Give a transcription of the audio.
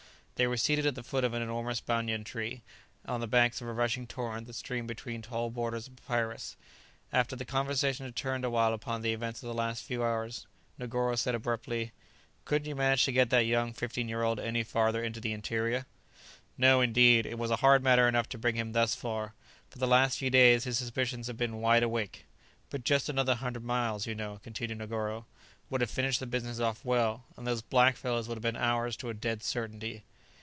They were seated at the foot of an enormous banyan tree, on the banks of a rushing torrent that streamed between tall borders of papyrus. After the conversation had turned awhile upon the events of the last few hours, Negoro said abruptly, "Couldn't you manage to get that young fifteen year old any farther into the interior?" "No, indeed; it was a hard matter enough to bring him thus far; for the last few days his suspicions have been wide awake." "But just another hundred miles, you know," continued Negoro, "would have finished the business off well, and those black fellows would have been ours to a dead certainty."